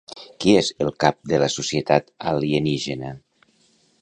Qui és el cap de la societat alienígena?